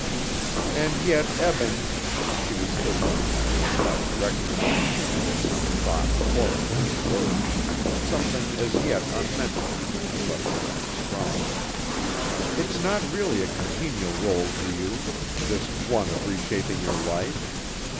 "And yet, Eben " She was still looking at him with that directness which hinted at some thought foreign to her words something as yet unmentioned which had left her unstrung. "It's not really a congenial rôle to you this one of reshaping your life.